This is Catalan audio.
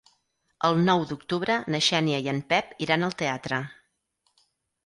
El nou d'octubre na Xènia i en Pep iran al teatre.